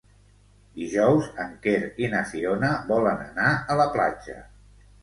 Dijous en Quer i na Fiona volen anar a la platja.